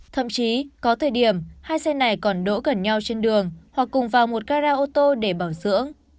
thậm chí có thời điểm hai xe này còn đỗ gần nhau trên đường hoặc cùng vào một cara ô tô để bảo dưỡng